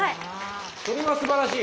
それはすばらしい。